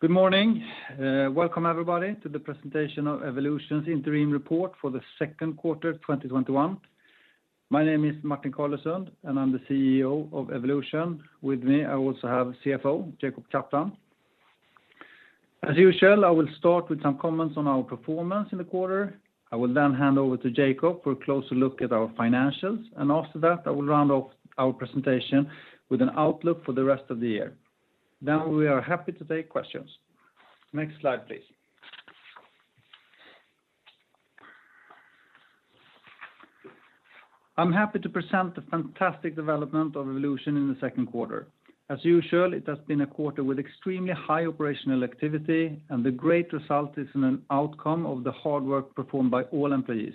Good morning. Welcome everybody to the presentation of Evolution's interim report for the second quarter 2021. My name is Martin Carlesund, and I'm the CEO of Evolution. With me, I also have CFO, Jacob Kaplan. As usual, I will start with some comments on our performance in the quarter. I will then hand over to Jacob for a closer look at our financials. After that, I will round off our presentation with an outlook for the rest of the year. We are happy to take questions. Next slide, please. I'm happy to present the fantastic development of Evolution in the second quarter. As usual, it has been a quarter with extremely high operational activity. The great result is in an outcome of the hard work performed by all employees.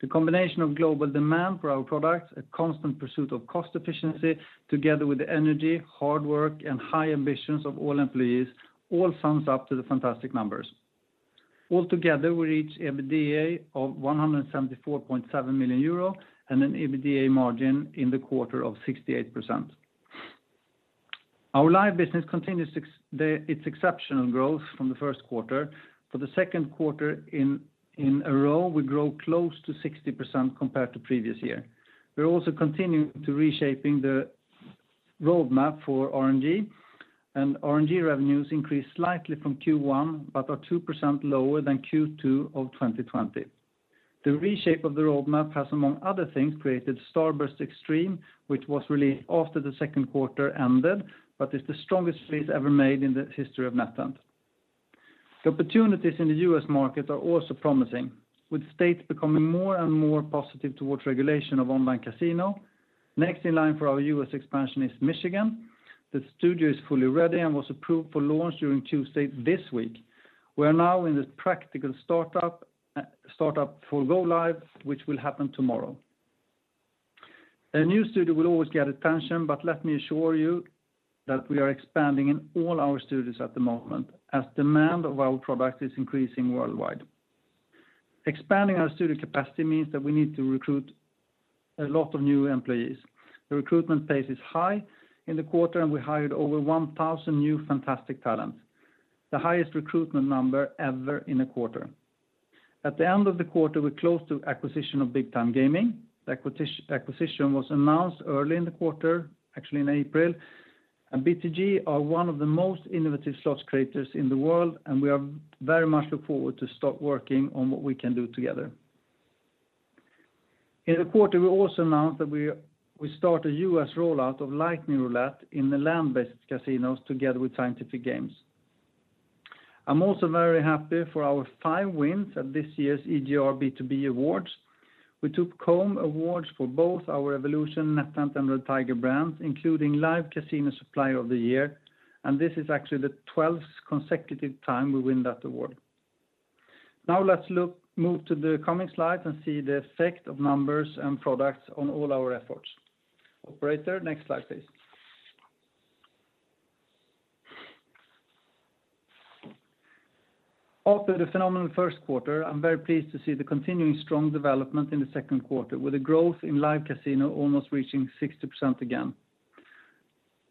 The combination of global demand for our products, a constant pursuit of cost efficiency, together with the energy, hard work, and high ambitions of all employees all sums up to the fantastic numbers. We reach EBITDA of 174.7 million euro, and an EBITDA margin in the quarter of 68%. Our Live Casino business continues its exceptional growth from the first quarter. For the second quarter in a row, we grow close to 60% compared to previous year. We're also continuing to reshaping the roadmap for RNG. RNG revenues increased slightly from Q1, but are 2% lower than Q2 of 2020. The reshape of the roadmap has, among other things, created Starburst XXXtreme, which was released after the second quarter ended, but is the strongest release ever made in the history of NetEnt. The opportunities in the U.S. market are also promising, with states becoming more and more positive towards regulation of online casino. Next in line for our U.S. expansion is Michigan. The studio is fully ready and was approved for launch during Tuesday this week. We are now in the practical startup for go live, which will happen tomorrow. A new studio will always get attention, but let me assure you that we are expanding in all our studios at the moment, as demand of our product is increasing worldwide. Expanding our studio capacity means that we need to recruit a lot of new employees. The recruitment pace is high in the quarter, and we hired over 1,000 new fantastic talent, the highest recruitment number ever in a quarter. At the end of the quarter, we closed the acquisition of Big Time Gaming. The acquisition was announced early in the quarter, actually in April. BTG are one of the most innovative slots creators in the world, and we are very much look forward to start working on what we can do together. In the quarter, we also announced that we start a U.S. rollout of Lightning Roulette in the land-based casinos together with Scientific Games. I'm also very happy for our five wins at this year's EGR B2B Awards. We took home awards for both our Evolution, NetEnt, and Red Tiger brands, including Live Casino Supplier of the Year, and this is actually the 12th consecutive time we win that award. Now let's move to the coming slides and see the effect of numbers and products on all our efforts. Operator, next slide, please. After the phenomenal first quarter, I am very pleased to see the continuing strong development in the second quarter with a growth in Live Casino almost reaching 60% again.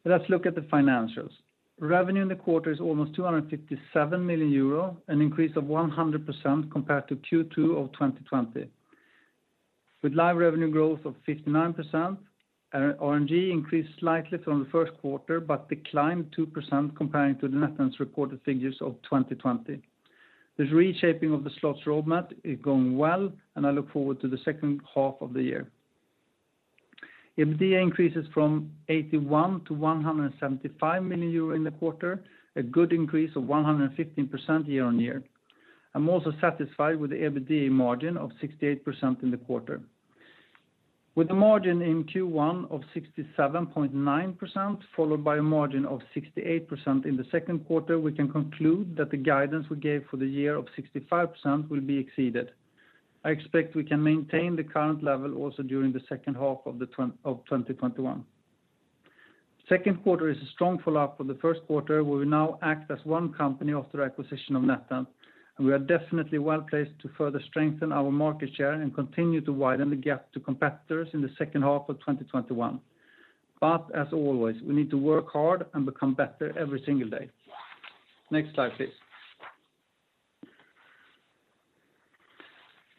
Let's look at the financials. Revenue in the quarter is almost 257 million euro, an increase of 100% compared to Q2 2020. With Live revenue growth of 59%, RNG increased slightly from the first quarter but declined 2% comparing to the NetEnt's reported figures of 2020. The reshaping of the slots roadmap is going well, I look forward to the second half of the year. EBITDA increases from 81 million to 175 million euro in the quarter, a good increase of 115% year-on-year. I am also satisfied with the EBITDA margin of 68% in the quarter. With the margin in Q1 of 67.9%, followed by a margin of 68% in the second quarter, we can conclude that the guidance we gave for the year of 65% will be exceeded. I expect we can maintain the current level also during the second half of 2021. Second quarter is a strong follow-up from the first quarter, where we now act as one company after acquisition of NetEnt, and we are definitely well-placed to further strengthen our market share and continue to widen the gap to competitors in the second half of 2021. As always, we need to work hard and become better every single day. Next slide, please.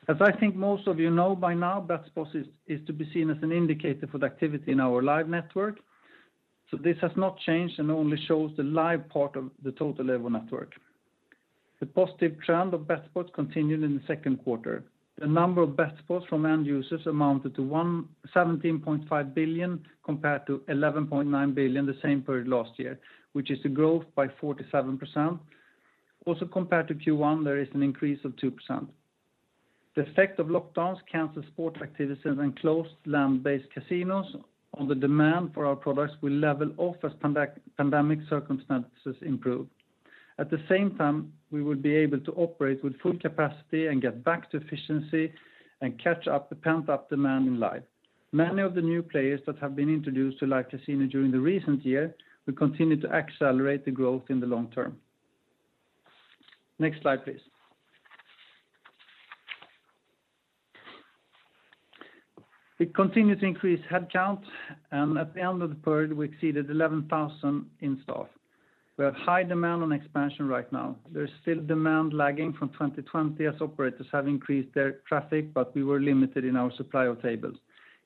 As I think most of you know by now, bet spots is to be seen as an indicator for the activity in our live network. This has not changed and only shows the live part of the total Live Casino network. The positive trend of bet spots continued in Q2. The number of bet spots from end users amounted to 17.5 billion compared to 11.9 billion the same period last year, which is a growth by 47%. Also compared to Q1, there is an increase of 2%. The effect of lockdowns, canceled sport activities, and closed land-based casinos on the demand for our products will level off as pandemic circumstances improve. At the same time, we will be able to operate with full capacity and get back to efficiency and catch up the pent-up demand in live. Many of the new players that have been introduced to Live Casino during the recent year will continue to accelerate the growth in the long term. Next slide, please. We continue to increase headcount, and at the end of the period, we exceeded 11,000 in staff. We have high demand on expansion right now. There's still demand lagging from 2020 as operators have increased their traffic, but we were limited in our supply of tables.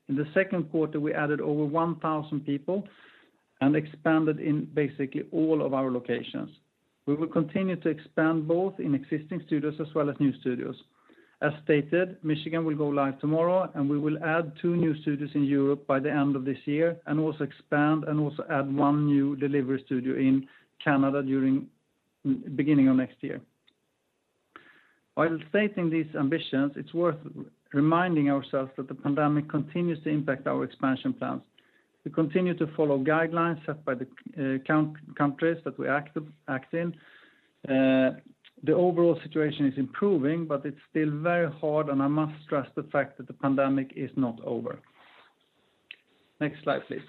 In the second quarter, we added over 1,000 people and expanded in basically all of our locations. We will continue to expand both in existing studios as well as new studios. As stated, Michigan will go live tomorrow, and we will add two new studios in Europe by the end of this year and also expand and also add one new delivery studio in Canada beginning of next year. While stating these ambitions, it's worth reminding ourselves that the pandemic continues to impact our expansion plans. We continue to follow guidelines set by the countries that we act in. The overall situation is improving, but it's still very hard and I must stress the fact that the pandemic is not over. Next slide, please.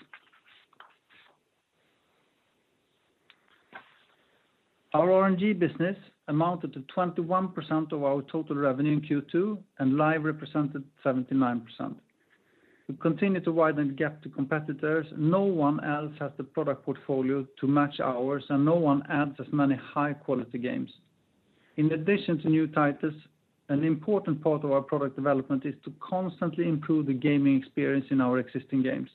Our RNG business amounted to 21% of our total revenue in Q2, and Live represented 79%. We continue to widen the gap to competitors. No one else has the product portfolio to match ours, and no one adds as many high-quality games. In addition to new titles, an important part of our product development is to constantly improve the gaming experience in our existing games.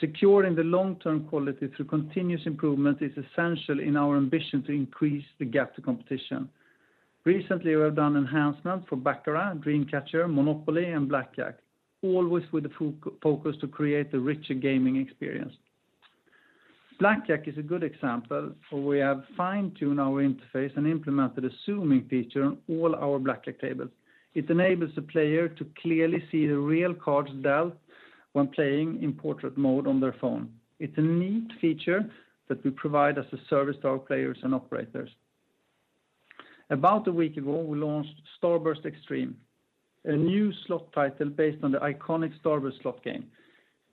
Securing the long-term quality through continuous improvement is essential in our ambition to increase the gap to competition. Recently, we have done enhancements for Baccarat, Dream Catcher, Monopoly, and Blackjack, always with the focus to create a richer gaming experience. Blackjack is a good example where we have fine-tuned our interface and implemented a zooming feature on all our Blackjack tables. It enables the player to clearly see the real cards dealt when playing in portrait mode on their phone. It's a neat feature that we provide as a service to our players and operators. About a week ago, we launched Starburst XXXtreme, a new slot title based on the iconic Starburst slot game.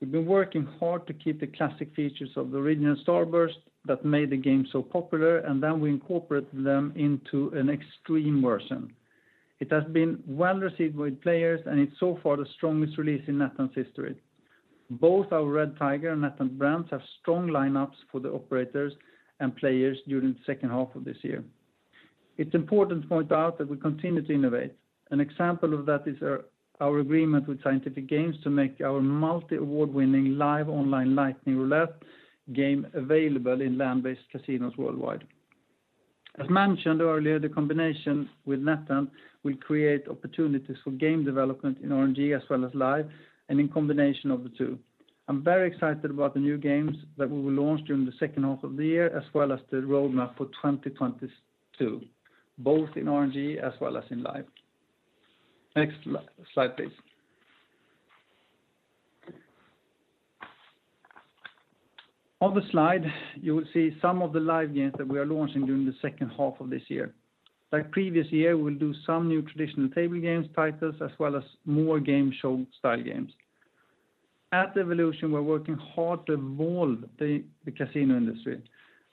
We've been working hard to keep the classic features of the original Starburst that made the game so popular, and then we incorporated them into an extreme version. It has been well-received with players, and it's so far the strongest release in NetEnt's history. Both our Red Tiger and NetEnt brands have strong lineups for the operators and players during the second half of this year. It's important to point out that we continue to innovate. An example of that is our agreement with Scientific Games to make our multi-award-winning live online Lightning Roulette game available in land-based casinos worldwide. As mentioned earlier, the combination with NetEnt will create opportunities for game development in RNG as well as Live and in combination of the two. I'm very excited about the new games that we will launch during the second half of the year, as well as the roadmap for 2022, both in RNG as well as in Live. Next slide, please. On the slide, you will see some of the Live games that we are launching during the second half of this year. Like previous year, we'll do some new traditional table games titles as well as more game show-style games. At Evolution, we're working hard to evolve the casino industry.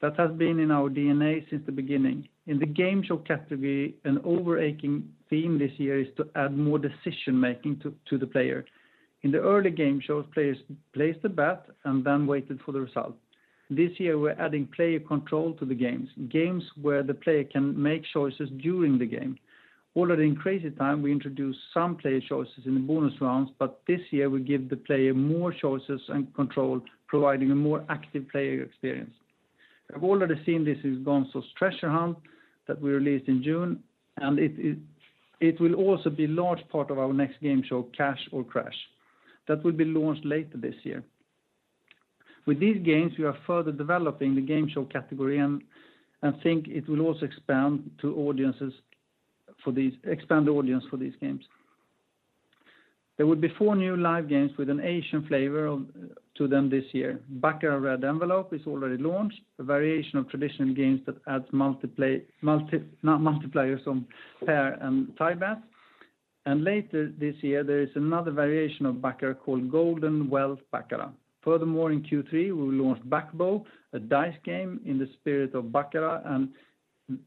That has been in our DNA since the beginning. In the game show category, an overarching theme this year is to add more decision-making to the player. In the early game shows, players placed a bet and then waited for the result. This year, we're adding player control to the games where the player can make choices during the game. Already in Crazy Time, we introduced some player choices in the bonus rounds, this year we give the player more choices and control, providing a more active player experience. We have already seen this in Gonzo's Treasure Hunt that we released in June, it will also be large part of our next game show, Cash or Crash. That will be launched later this year. With these games, we are further developing the game show category and think it will also expand the audience for these games. There will be four new live games with an Asian flavor to them this year. Baccarat Red Envelope is already launched, a variation of traditional games that adds multipliers on pair and tie bets. Later this year, there is another variation of Baccarat called Golden Wealth Baccarat. Furthermore, in Q3, we will launch Blackjack, a dice game in the spirit of Baccarat.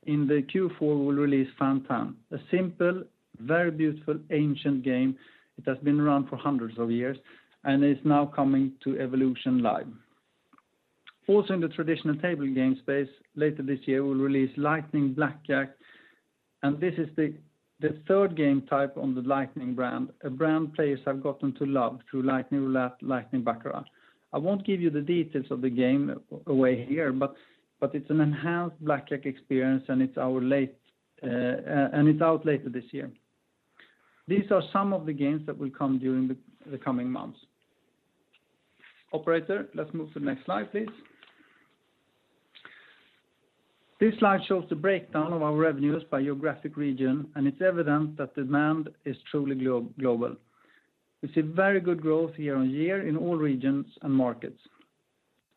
In Q4, we'll release Fan-Tan, a simple, very beautiful ancient game. It has been around for hundreds of years and is now coming to Evolution Live. Also in the traditional table game space, later this year, we'll release Lightning Blackjack, and this is the third game type on the Lightning brand, a brand players have gotten to love through Lightning Baccarat. I won't give you the details of the game away here, but it's an enhanced Blackjack experience, and it's out later this year. These are some of the games that will come during the coming months. Operator, let's move to the next slide, please. This slide shows the breakdown of our revenues by geographic region, and it's evident that demand is truly global. We see very good growth year-on-year in all regions and markets.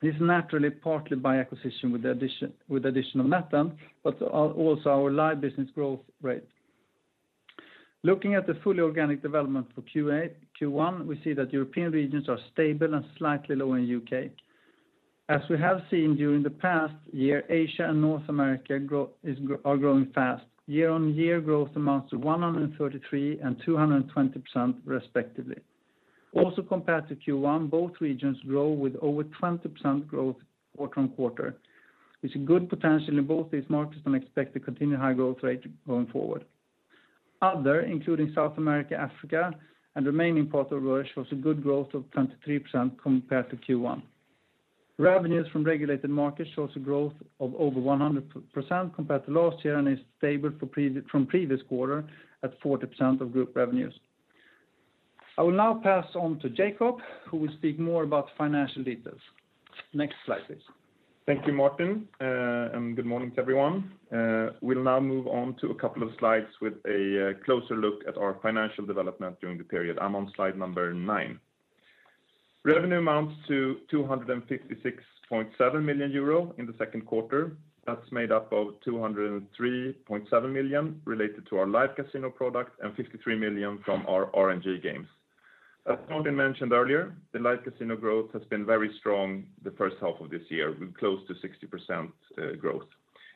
This is naturally partly by acquisition with additional NetEnt, but also our Live business growth rate. Looking at the full organic development for Q1, we see that European regions are stable and slightly lower in U.K. As we have seen during the past year, Asia and North America are growing fast. Year-on-year growth amounts to 133% and 220% respectively. Also compared to Q1, both regions grow with over 20% growth quarter-on-quarter. We see good potential in both these markets and expect to continue high growth rate going forward. Other, including South America, Africa, and remaining part of the world, shows a good growth of 23% compared to Q1. Revenues from regulated markets show a growth of over 100% compared to last year and is stable from previous quarter at 40% of group revenues. I will now pass on to Jacob, who will speak more about the financial details. Next slide, please. Thank you, Martin, and good morning to everyone. We'll now move on to a couple of slides with a closer look at our financial development during the period. I'm on slide number nine. Revenue amounts to 256.7 million euro in the second quarter. That's made up of 203.7 million related to our Live Casino product and 53 million from our RNG games. As Martin mentioned earlier, the Live Casino growth has been very strong the first half of this year, with close to 60% growth.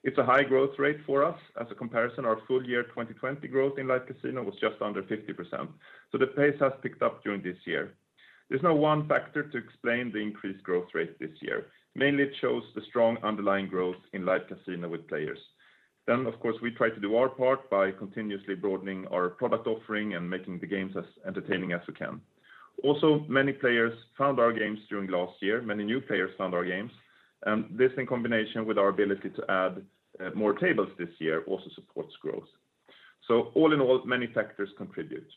It's a high growth rate for us. As a comparison, our Full Year 2020 growth in Live Casino was just under 50%. The pace has picked up during this year. There's no one factor to explain the increased growth rate this year. Mainly, it shows the strong underlying growth in Live Casino with players. Of course, we try to do our part by continuously broadening our product offering and making the games as entertaining as we can. Many players found our games during last year, many new players found our games. This, in combination with our ability to add more tables this year, also supports growth. All in all, many factors contribute.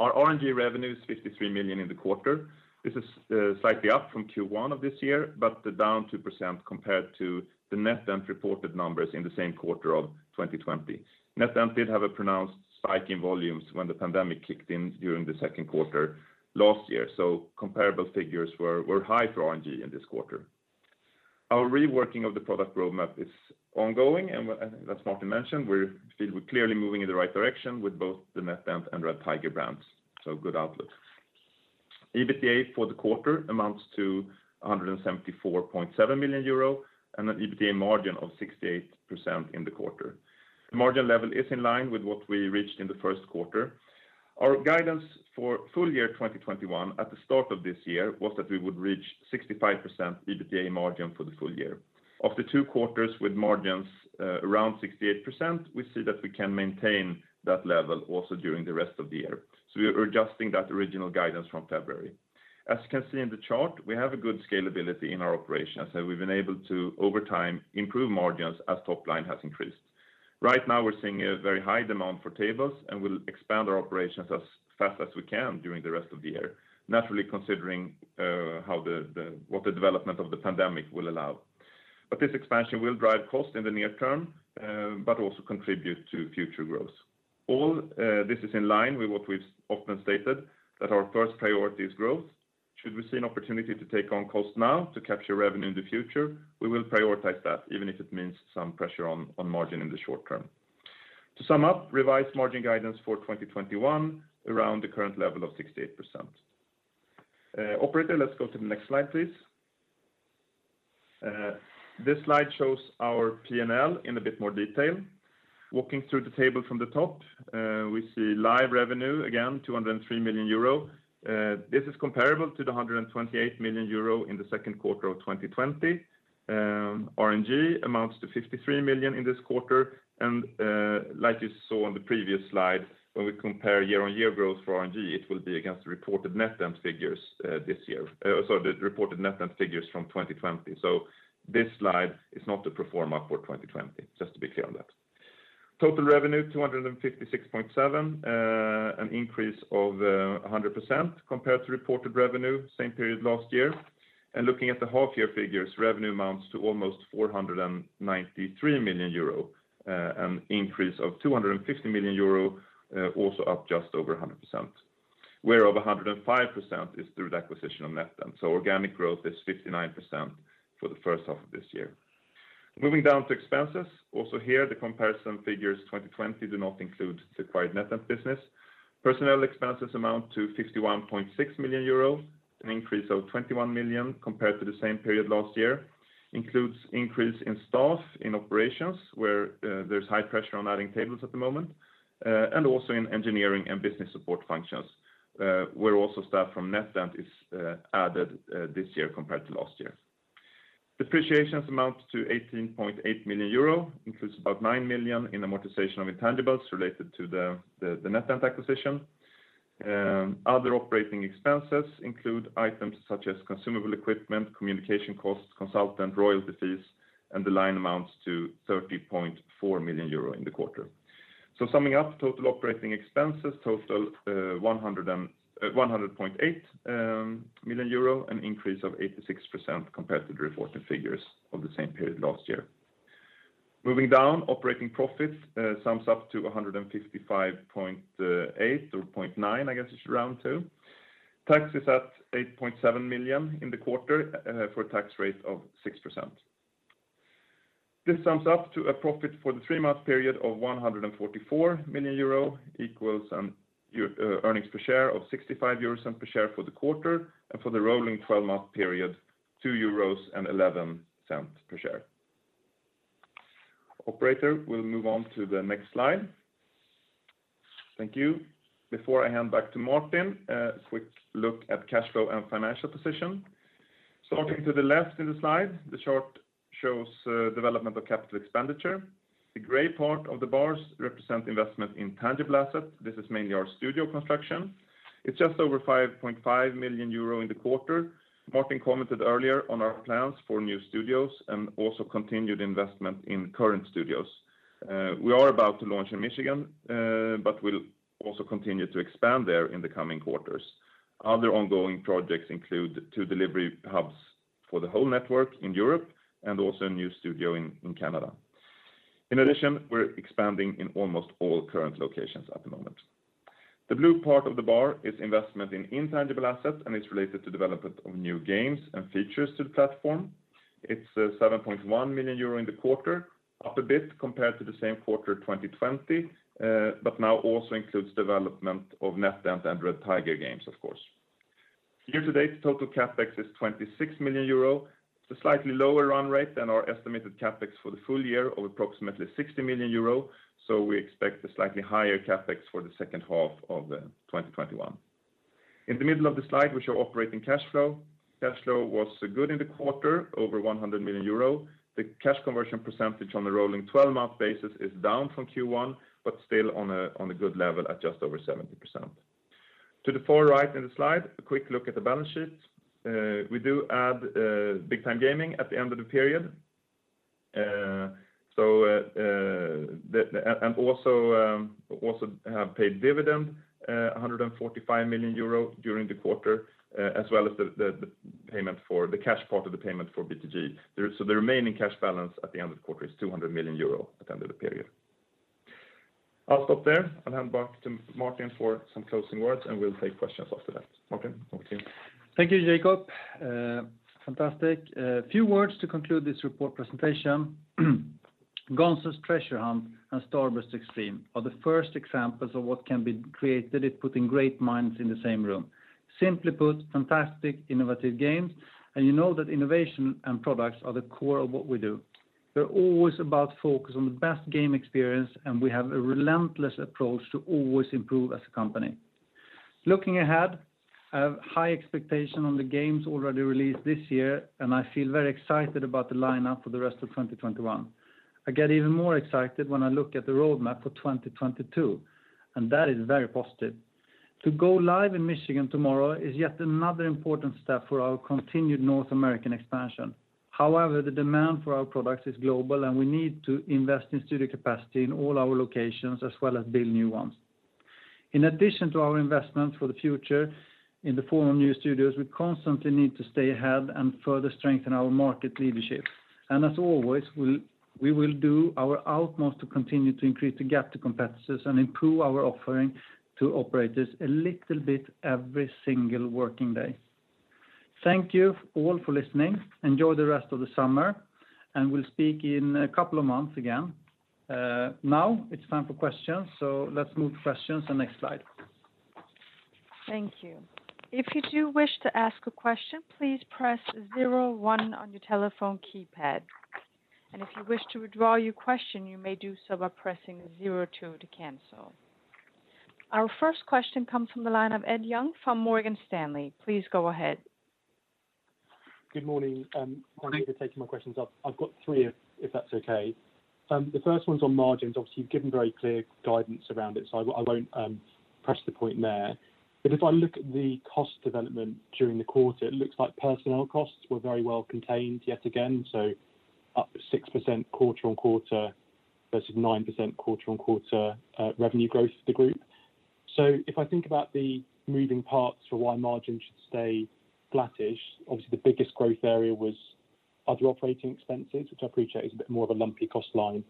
Our RNG revenue is 53 million in the quarter. This is slightly up from Q1 of this year, but down 2% compared to the NetEnt reported numbers in the same quarter of 2020. NetEnt did have a pronounced spike in volumes when the pandemic kicked in during the second quarter last year, so comparable figures were high for RNG in this quarter. Our reworking of the product roadmap is ongoing, and as Martin mentioned, we're clearly moving in the right direction with both the NetEnt and Red Tiger brands, so good outlook. EBITDA for the quarter amounts to 174.7 million euro and an EBITDA margin of 68% in the quarter. The margin level is in line with what we reached in the first quarter. Our guidance for Full Year 2021 at the start of this year was that we would reach 65% EBITDA margin for the full year. Of the two quarters with margins around 68%, we see that we can maintain that level also during the rest of the year. We are adjusting that original guidance from February. As you can see in the chart, we have a good scalability in our operations, and we've been able to, over time, improve margins as top line has increased. Right now we're seeing a very high demand for tables, and we'll expand our operations as fast as we can during the rest of the year, naturally considering what the development of the pandemic will allow. This expansion will drive costs in the near term, but also contribute to future growth. All this is in line with what we've often stated, that our first priority is growth. Should we see an opportunity to take on cost now to capture revenue in the future, we will prioritize that, even if it means some pressure on margin in the short term. To sum up, revised margin guidance for 2021, around the current level of 68%. Operator, let's go to the next slide, please. This slide shows our P&L in a bit more detail. Walking through the table from the top, we see live revenue, again, 203 million euro. This is comparable to the 128 million euro in the second quarter of 2020. RNG amounts to 53 million in this quarter. Like you saw on the previous slide, when we compare year-on-year growth for RNG, it will be against the reported NetEnt figures from 2020. This slide is not to perform up for 2020, just to be clear on that. Total revenue 256.7, an increase of 100% compared to reported revenue same period last year. Looking at the half year figures, revenue amounts to almost 493 million euro, an increase of 250 million euro, also up just over 100%, whereover 105% is through the acquisition of NetEnt. Organic growth is 59% for the first half of this year. Moving down to expenses. Also here, the comparison figures 2020 do not include the acquired NetEnt business. Personnel expenses amount to 51.6 million euros, an increase of 21 million compared to the same period last year. Includes increase in staff in operations, where there's high pressure on adding tables at the moment, and also in engineering and business support functions, where also staff from NetEnt is added this year compared to last year. Depreciations amount to 18.8 million euro, includes about 9 million in amortization of intangibles related to the NetEnt acquisition. Other operating expenses include items such as consumable equipment, communication costs, consultant, royalty fees, and the line amounts to 30.4 million euro in the quarter. Summing up, total operating expenses total 100.8 million euro, an increase of 86% compared to the reported figures of the same period last year. Moving down, operating profits sums up to 155.8 million or 155.9 million, I guess it should round to. Tax is at 8.7 million in the quarter for a tax rate of 6%. This sums up to a profit for the three-month period of 144 million euro, equals earnings per share of 0.65 euros per share for the quarter, and for the rolling 12-month period, 2.11 euros per share. Operator, we'll move on to the next slide. Thank you. Before I hand back to Martin, a quick look at cash flow and financial position. Starting to the left in the slide, the chart shows development of capital expenditure. The gray part of the bars represent investment in tangible assets. This is mainly our studio construction. It's just over 5.5 million euro in the quarter. Martin commented earlier on our plans for new studios and also continued investment in current studios. We are about to launch in Michigan. We'll also continue to expand there in the coming quarters. Other ongoing projects include two delivery hubs for the whole network in Europe and also a new studio in Canada. In addition, we're expanding in almost all current locations at the moment. The blue part of the bar is investment in intangible assets, it's related to development of new games and features to the platform. It's 7.1 million euro in the quarter, up a bit compared to the same quarter 2020, now also includes development of NetEnt and Red Tiger Games, of course. Year-to-date total CapEx is 26 million euro. It's a slightly lower run rate than our estimated CapEx for the full year of approximately 60 million euro, we expect a slightly higher CapEx for the second half of 2021. In the middle of the slide, we show operating cash flow. Cash flow was good in the quarter, over 100 million euro. The cash conversion percentage on the rolling 12-month basis is down from Q1, but still on a good level at just over 70%. To the far right in the slide, a quick look at the balance sheet. We do add Big Time Gaming at the end of the period. Also have paid dividend 145 million euro during the quarter, as well as the cash part of the payment for BTG. The remaining cash balance at the end of the quarter is 200 million euro at the end of the period. I'll stop there and hand back to Martin for some closing words, and we'll take questions after that. Martin, over to you. Thank you, Jacob. Fantastic. A few words to conclude this report presentation. Gonzo's Treasure Hunt and Starburst XXXtreme are the first examples of what can be created if putting great minds in the same room. Simply put, fantastic innovative games, and you know that innovation and products are the core of what we do. We're always about focus on the best game experience, and we have a relentless approach to always improve as a company. Looking ahead, I have high expectation on the games already released this year, and I feel very excited about the lineup for the rest of 2021. I get even more excited when I look at the roadmap for 2022, and that is very positive. To go live in Michigan tomorrow is yet another important step for our continued North American expansion. However, the demand for our products is global, and we need to invest in studio capacity in all our locations, as well as build new ones. In addition to our investment for the future in the form of new studios, we constantly need to stay ahead and further strengthen our market leadership. As always, we will do our utmost to continue to increase the gap to competitors and improve our offering to operators a little bit every single working day. Thank you all for listening. Enjoy the rest of the summer, and we'll speak in a couple of months again. Now it's time for questions, let's move to questions on the next slide. Thank you. If you do wish to ask a question, please press zero one on your telephone keypad. If you wish to withdraw your question, you may do so by pressing zero two to cancel. Our first question comes from the line of Ed Young from Morgan Stanley. Please go ahead. Good morning. Thank you for taking my questions. I've got three if that's okay. The first one's on margins. Obviously, you've given very clear guidance around it, so I won't press the point there. If I look at the cost development during the quarter, it looks like personnel costs were very well contained yet again, up 6% quarter-on-quarter versus 9% quarter-on-quarter revenue growth for the group. If I think about the moving parts for why margin should stay flattish, obviously the biggest growth area was other operating expenses, which I appreciate is a bit more of a lumpy cost line.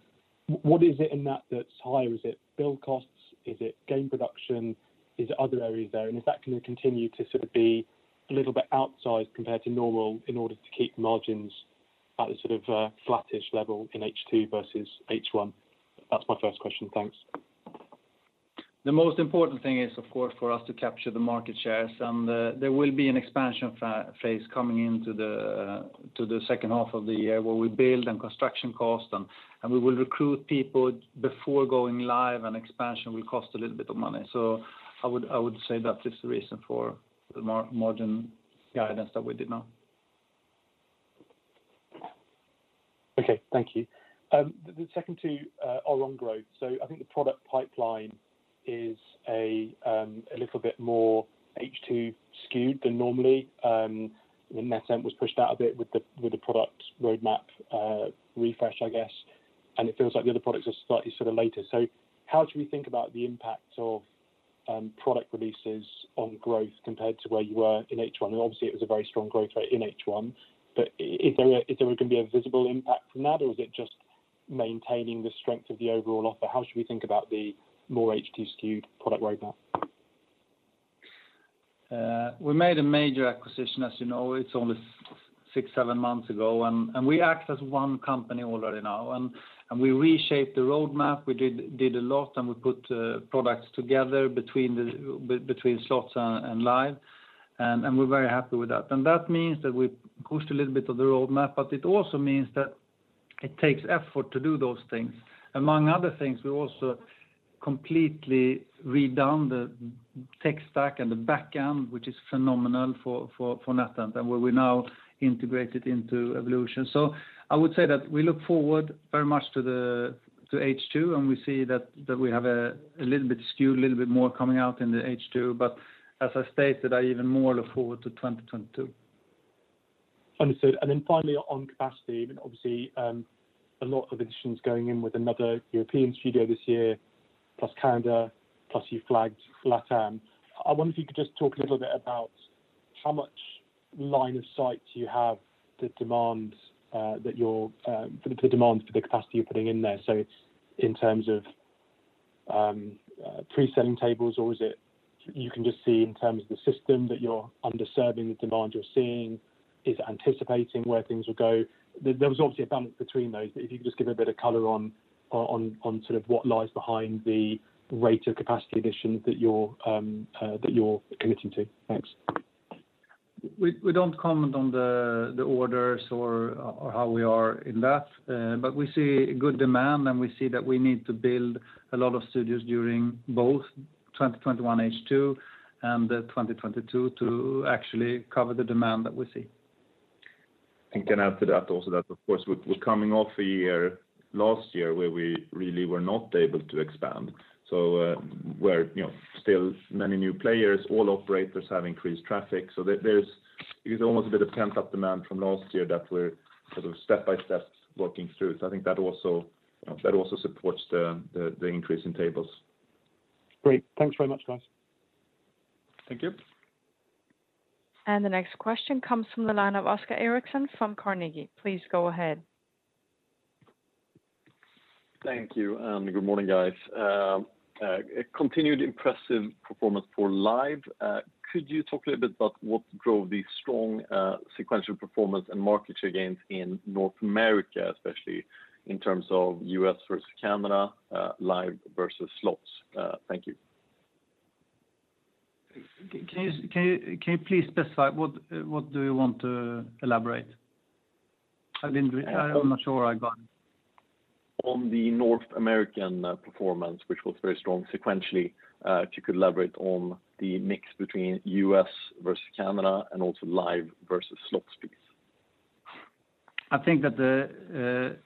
What is it in that that's higher? Is it bill costs? Is it game production? Is it other areas there? Is that going to continue to sort of be a little bit outsized compared to normal in order to keep margins at a sort of flattish level in H2 versus H1? That's my first question. Thanks. The most important thing is, of course, for us to capture the market shares, and there will be an expansion phase coming into the second half of the year where we build and construction cost, and we will recruit people before going live, and expansion will cost a little bit of money. I would say that is the reason for the margin guidance that we did now. Okay. Thank you. The second two are on growth. I think the product pipeline is a little bit more H2 skewed than normally. NetEnt was pushed out a bit with the product roadmap refresh, I guess, and it feels like the other products are slightly later. How should we think about the impact of product releases on growth compared to where you were in H1? Obviously it was a very strong growth rate in H1, but is there going to be a visible impact from that, or is it just maintaining the strength of the overall offer? How should we think about the more H2 skewed product roadmap? We made a major acquisition, as you know. It's almost six, seven months ago, and we act as one company already now. We reshaped the roadmap. We did a lot, and we put products together between slots and live, and we're very happy with that. That means that we pushed a little bit of the roadmap, but it also means that it takes effort to do those things. Among other things, we also completely redone the tech stack and the back end, which is phenomenal for NetEnt, and where we now integrate it into Evolution. I would say that we look forward very much to H2, and we see that we have a little bit skewed, a little bit more coming out in the H2. As I stated, I even more look forward to 2022. Understood. Finally on capacity, obviously, a lot of additions going in with another European studio this year, plus Canada, plus you flagged LatAm. I wonder if you could just talk a little bit about how much line of sight you have, the demand for the capacity you're putting in there. It's in terms of pre-selling tables, or is it you can just see in terms of the system that you're under-serving the demand you're seeing? Is it anticipating where things will go? There was obviously a balance between those, but if you could just give a bit of color on what lies behind the rate of capacity additions that you're committing to. Thanks. We don't comment on the orders or how we are in that. We see good demand, and we see that we need to build a lot of studios during both 2021 H2 and 2022 to actually cover the demand that we see. I can add to that also that, of course, we're coming off a year, last year, where we really were not able to expand. We're still many new players. All operators have increased traffic. There's almost a bit of pent-up demand from last year that we're sort of step by step working through. I think that also supports the increase in tables. Great. Thanks very much, guys. Thank you. The next question comes from the line of Oscar Erixon from Carnegie. Please go ahead. Thank you. Good morning, guys. A continued impressive performance for live. Could you talk a little bit about what drove the strong sequential performance and market share gains in North America, especially in terms of U.S. versus Canada, live versus slots? Thank you. Can you please specify what do you want to elaborate? I'm not sure I got it. On the North American performance, which was very strong sequentially, if you could elaborate on the mix between U.S. versus Canada and also live versus slots, please? I think that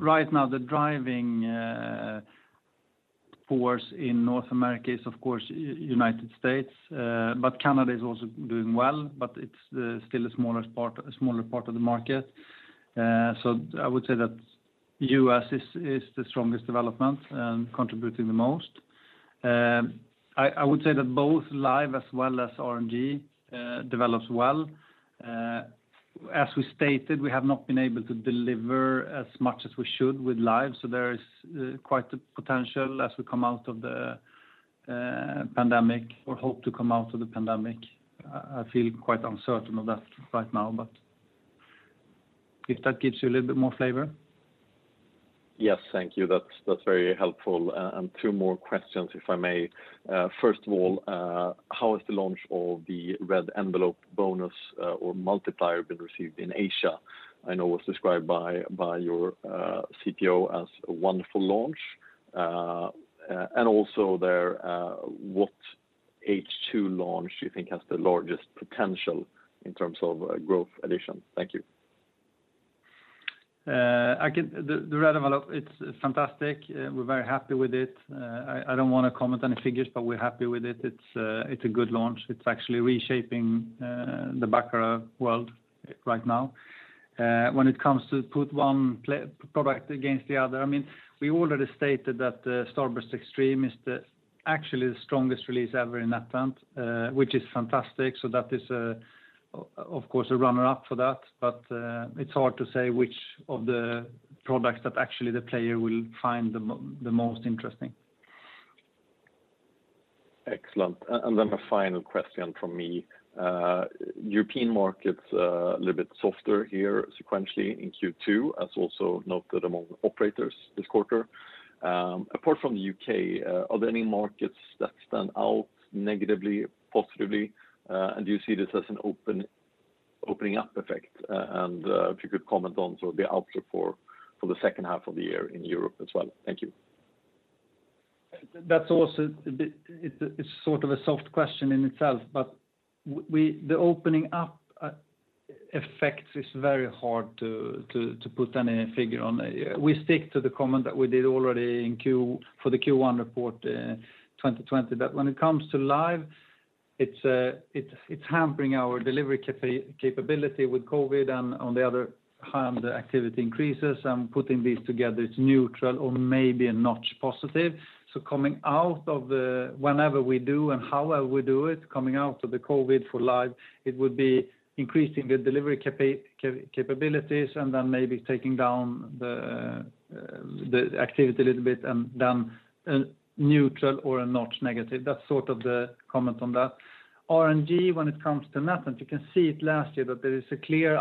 right now the driving force in North America is, of course, United States, but Canada is also doing well, but it's still a smaller part of the market. I would say that U.S. is the strongest development and contributing the most. I would say that both live as well as RNG develops well. As we stated, we have not been able to deliver as much as we should with live, there is quite the potential as we come out of the pandemic or hope to come out of the pandemic. I feel quite uncertain of that right now, if that gives you a little bit more flavor. Yes. Thank you. That's very helpful. Two more questions, if I may. First of all, how has the launch of the Red Envelope bonus or multiplier been received in Asia? I know it was described by your CPO as a wonderful launch. Also there, what H2 launch do you think has the largest potential in terms of growth addition? Thank you. The Red Envelope, it's fantastic. We're very happy with it. I don't want to comment any figures, but we're happy with it. It's a good launch. It's actually reshaping the Baccarat world right now. When it comes to put one product against the other, we already stated that Starburst XXXtreme is actually the strongest release ever in NetEnt, which is fantastic. That is, of course, a runner-up for that. It's hard to say which of the products that actually the player will find the most interesting. Excellent. A final question from me. European markets a little bit softer here sequentially in Q2, as also noted among operators this quarter. Apart from the U.K., are there any markets that stand out negatively, positively, and do you see this as an opening up effect? If you could comment on sort of the outlook for the second half of the year in Europe as well. Thank you. It's sort of a soft question in itself. The opening up effect is very hard to put any figure on. We stick to the comment that we did already for the Q1 report 2020, that when it comes to live, it's hampering our delivery capability with COVID, and on the other hand, the activity increases, and putting these together, it's neutral or maybe a notch positive. Whenever we do and however we do it, coming out of the COVID for live, it would be increasing the delivery capabilities and then maybe taking down the activity a little bit and then neutral or a notch negative. That's sort of the comment on that. RNG, when it comes to NetEnt, you can see it last year that there is a clear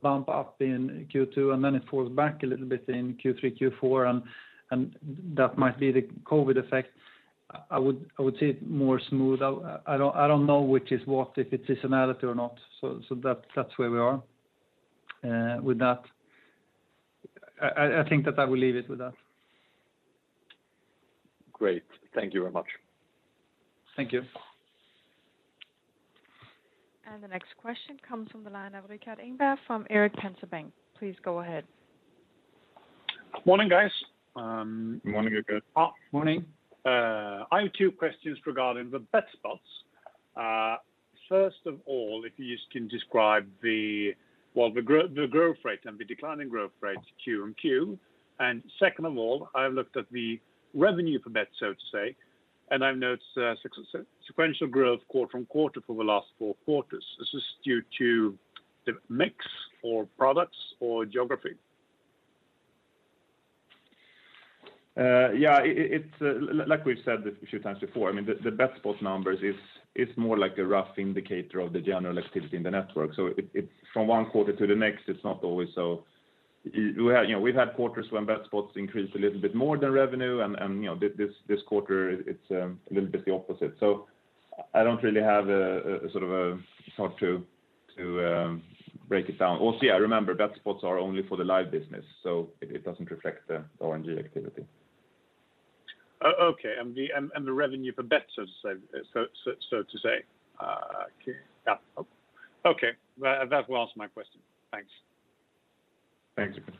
bump up in Q2, and then it falls back a little bit in Q3, Q4, and that might be the COVID effect. I would say more smooth out. I don't know which is what, if it is an additive or not. That's where we are with that. I think that I will leave it with that. Great. Thank you very much. Thank you. The next question comes from the line of Rikard Engberg from Erik Penser Bank. Please go ahead. Morning, guys. Morning, Rikard. Morning. I have two questions regarding the bet spots. First of all, if you can describe the growth rate and the decline in growth rates Q and Q. Second of all, I have looked at the revenue for bets, so to say, and I've noticed sequential growth quarter-on-quarter for the last four quarters. This is due to the mix or products or geography? Yeah. Like we've said a few times before, the bet spot numbers is more like a rough indicator of the general activity in the network. From one quarter to the next, it's not always so. We've had quarters when bet spots increased a little bit more than revenue, and this quarter it's a little bit the opposite. I don't really have a sort of a thought to break it down. Also, yeah, remember, bet spots are only for the live business, so it doesn't reflect the RNG activity. Okay. The revenue for bets, so to say. Yeah. Okay. That will answer my question. Thanks. Thanks, Rikard.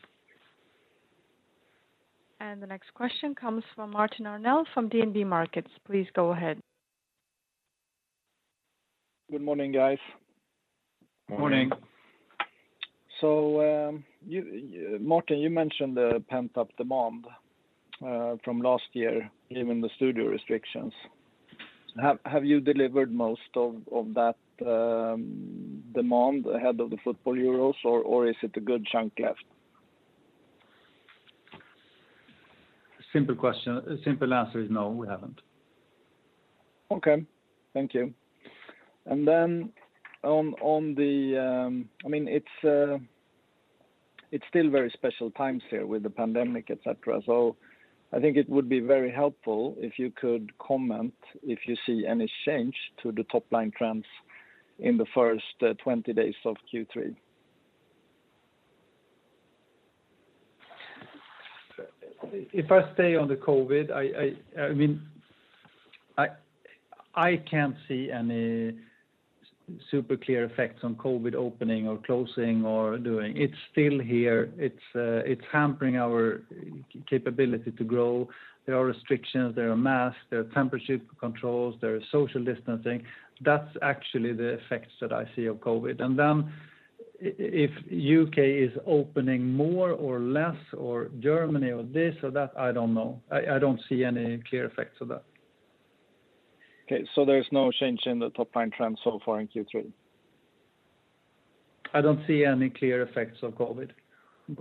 The next question comes from Martin Arnell from DNB Markets. Please go ahead. Good morning, guys. Morning. Martin, you mentioned the pent-up demand from last year, given the studio restrictions. Have you delivered most of that demand ahead of the football Euros, or is it a good chunk left? A simple answer is no, we haven't. Okay. Thank you. It's still very special times here with the pandemic, et cetera, so I think it would be very helpful if you could comment if you see any change to the top-line trends in the first 20 days of Q3. If I stay on the COVID, I can't see any super clear effects on COVID opening or closing or doing. It's still here. It's hampering our capability to grow. There are restrictions, there are masks, there are temperature controls, there is social distancing. That's actually the effects that I see of COVID. If U.K. is opening more or less, or Germany or this or that, I don't know. I don't see any clear effects of that. Okay, there is no change in the top-line trend so far in Q3? I don't see any clear effects of COVID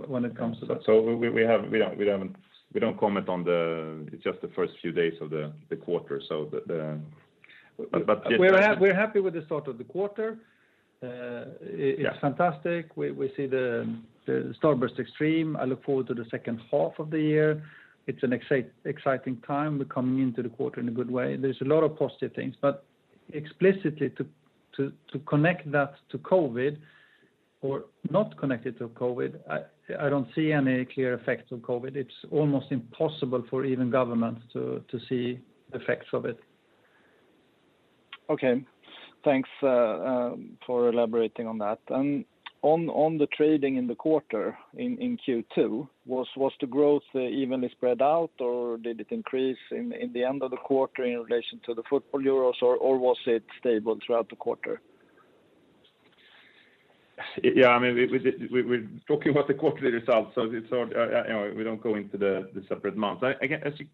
when it comes to that. It's just the first few days of the quarter. We're happy with the start of the quarter. Yeah. It's fantastic. We see the Starburst XXXtreme. I look forward to the second half of the year. It's an exciting time. We're coming into the quarter in a good way. There's a lot of positive things, but explicitly to connect that to COVID or not connect it to COVID, I don't see any clear effects of COVID. It's almost impossible for even governments to see effects of it. Okay. Thanks for elaborating on that. On the trading in the quarter in Q2, was the growth evenly spread out, or did it increase in the end of the quarter in relation to the football Euros, or was it stable throughout the quarter? We're talking about the quarterly results, we don't go into the separate months.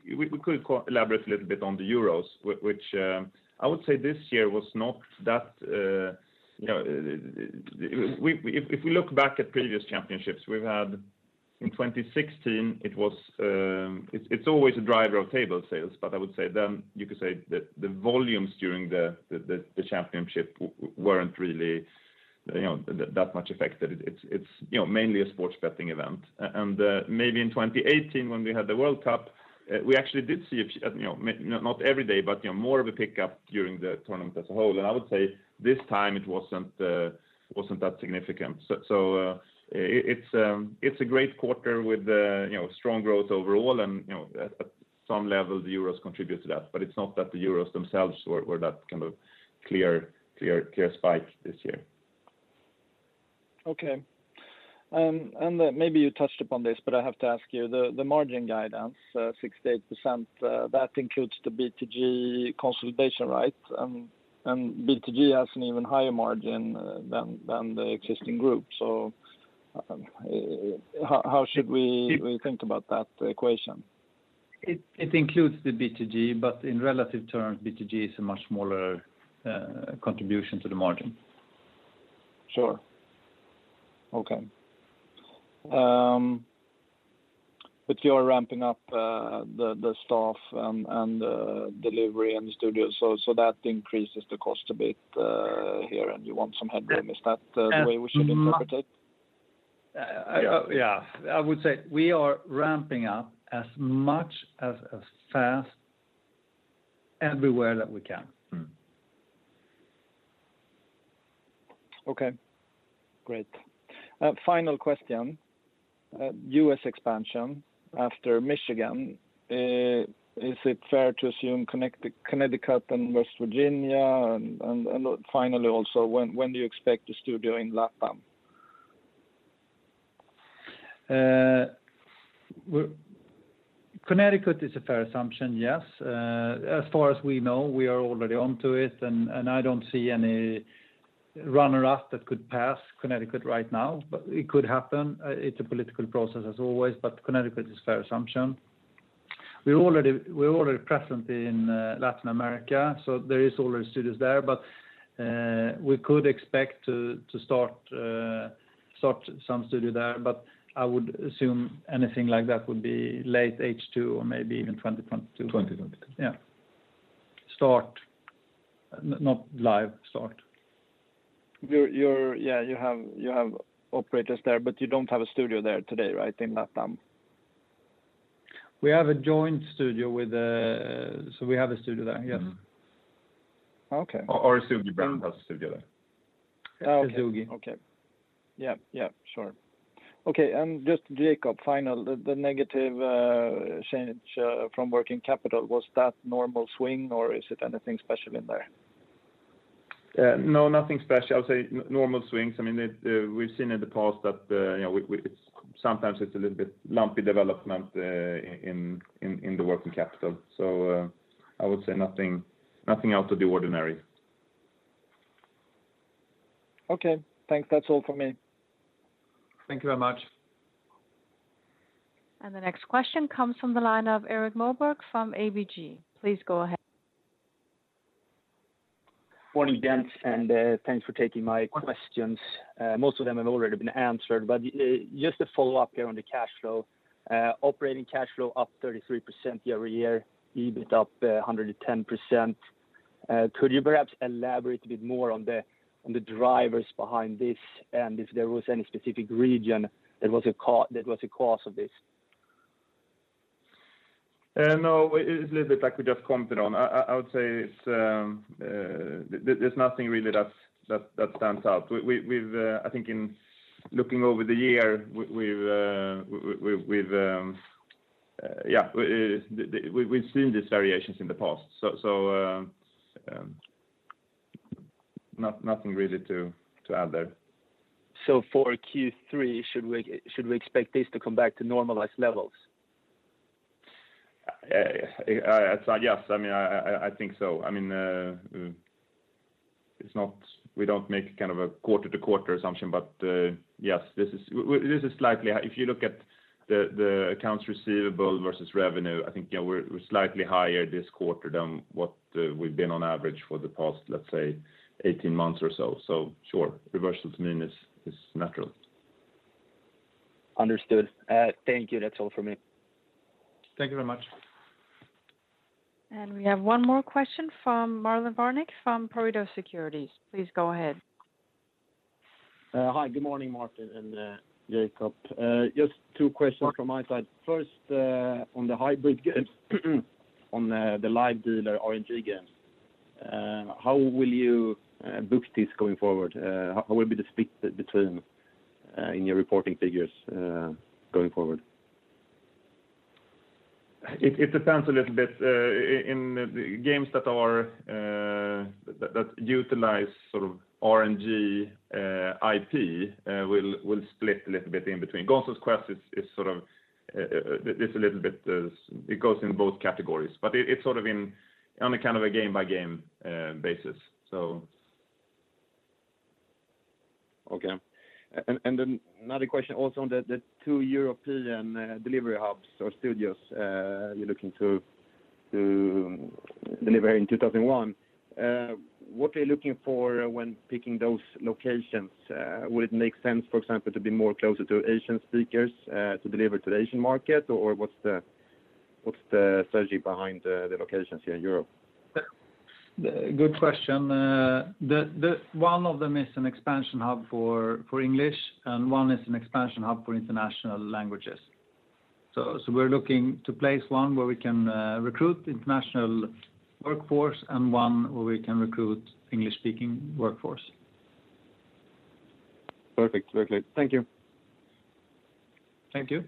We could elaborate a little bit on the Euros. If we look back at previous championships we've had, in 2016, it's always a driver of table sales, I would say then you could say the volumes during the championship weren't really that much affected. It's mainly a sports betting event. Maybe in 2018 when we had the World Cup, we actually did see, not every day, but more of a pickup during the tournament as a whole. I would say this time it wasn't that significant. It's a great quarter with strong growth overall, and at some level the Euros contribute to that. It's not that the Euros themselves were that kind of clear spike this year. Okay. Maybe you touched upon this, but I have to ask you, the margin guidance, 68%, that includes the BTG consolidation, right? BTG has an even higher margin than the existing group. How should we think about that equation? It includes the BTG, but in relative terms, BTG is a much smaller contribution to the margin. Sure. Okay. You're ramping up the staff and the delivery and the studios, that increases the cost a bit here, and you want some headroom. Is that the way we should interpret it? Yeah. I would say we are ramping up as much and as fast everywhere that we can. Okay, great. Final question. U.S. expansion after Michigan, is it fair to assume Connecticut and West Virginia? Finally, also, when do you expect the studio in LATAM? Connecticut is a fair assumption, yes. As far as we know, we are already onto it. I don't see any runner-up that could pass Connecticut right now. It could happen. It's a political process as always. Connecticut is a fair assumption. We're already present in Latin America. There is already studios there. We could expect to start some studio there. I would assume anything like that would be late H2 or maybe even 2022. 2022. Yeah. Start, not live. Start. Yeah. You have operators there, but you don't have a studio there today, right, in LATAM? We have a joint studio. We have a studio there, yes. Okay. Our BTG brand has a studio there. [uncerain] Okay. Yeah. Sure. Okay, just Jacob, final, the negative change from working capital, was that normal swing, or is it anything special in there? Nothing special. I would say normal swings. We've seen in the past that sometimes it's a little bit lumpy development in the working capital. I would say nothing out of the ordinary. Okay, thanks. That's all for me. Thank you very much. The next question comes from the line of Erik Moberg from ABG. Please go ahead. Morning, gents. Thanks for taking my questions. Most of them have already been answered, just a follow-up here on the cash flow. Operating cash flow up 33% year-over-year, EBIT up 110%. Could you perhaps elaborate a bit more on the drivers behind this and if there was any specific region that was a cause of this? It's a little bit like we just commented on. I would say there's nothing really that stands out. I think in looking over the year, we've seen these variations in the past, so nothing really to add there. For Q3, should we expect this to come back to normalized levels? Yes, I think so. We don't make a quarter-to-quarter assumption, but yes. If you look at the accounts receivable versus revenue, I think we're slightly higher this quarter than what we've been on average for the past, let's say, 18 months or so. Sure, reversal to me is natural. Understood. Thank you. That's all from me. Thank you very much. We have one more question from Marlon Värnik from Pareto Securities. Please go ahead. Hi, good morning, Martin and Jacob. Just two questions from my side. First, on the live dealer RNG games, how will you book this going forward? How will be the split between in your reporting figures going forward? It depends a little bit. In games that utilize RNG IP, we'll split a little bit in between. "Gonzo's Quest" goes in both categories. It's on a game-by-game basis. Okay. Another question also on the two European delivery hubs or studios you're looking to deliver in 2001. What were you looking for when picking those locations? Would it make sense, for example, to be more closer to Asian speakers to deliver to the Asian market? What's the strategy behind the locations here in Europe? Good question. One of them is an expansion hub for English, and one is an expansion hub for international languages. We're looking to place one where we can recruit international workforce and one where we can recruit English-speaking workforce. Perfect. Thank you. Thank you.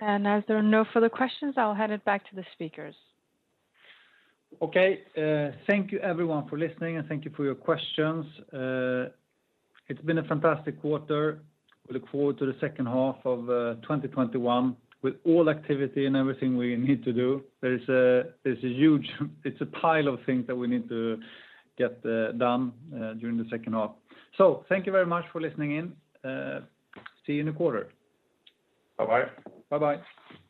As there are no further questions, I'll hand it back to the speakers. Okay. Thank you everyone for listening, and thank you for your questions. It's been a fantastic quarter. We look forward to the second half of 2021 with all activity and everything we need to do. It's a pile of things that we need to get done during the second half. Thank you very much for listening in. See you in a quarter. Bye-bye. Bye-bye.